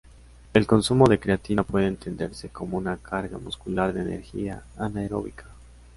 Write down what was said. El consumo de creatina puede entenderse como una "carga muscular de energía anaeróbica".